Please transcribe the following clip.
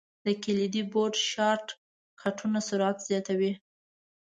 د کلیدي بورډ شارټ کټونه سرعت زیاتوي.